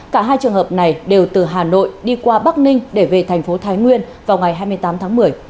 cả hai trường hợp này đều từ hà nội đi qua bắc ninh để về thành phố thái nguyên vào ngày hai mươi tám tháng một mươi